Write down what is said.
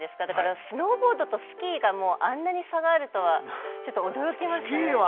だからスノーボードとスキーがあんなに差があるとは、ちょっと驚きましたね。